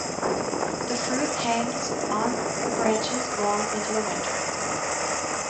The fruit hangs on the branches long into the winter.